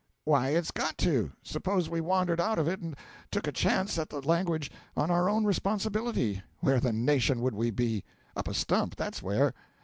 Why it's got to. Suppose we wandered out of it and took a chance at the language on our own responsibility, where the nation would we be! Up a stump, that's where.